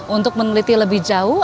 untuk meneliti lebih jauh